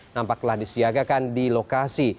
nampak telah disiagakan di lokasi